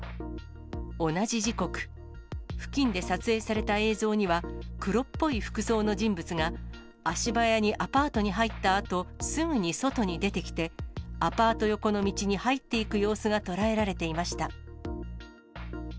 同じ時刻、付近で撮影された映像には、黒っぽい服装の人物が、足早にアパートに入ったあと、すぐに外に出てきて、アパート横の道に入っていく様子が捉えられていました。